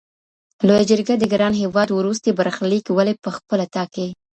لویه جرګه د ګران هیواد وروستی برخلیک ولي پخپله ټاکي؟